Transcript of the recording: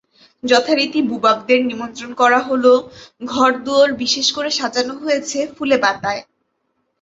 যথারীতি বুবাবদের নিমন্ত্রণ করা হল, ঘরদুয়োর বিশেষ করে সাজানো হয়েছে ফুলে পাতায়।